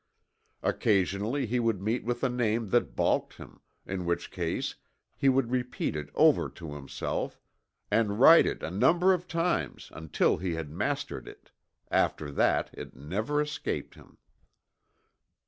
Occasionally he would meet with a name that balked him, in which case he would repeat it over to himself, and write it a number of times until he had mastered it after that it never escaped him.